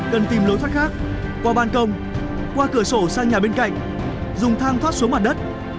cần tìm lối thoát khác qua ban công qua cửa sổ sang nhà bên cạnh dùng thang thoát xuống mặt đất